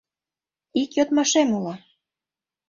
Ик йодмашем уло.